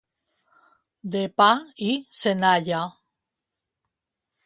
De pa i senalla.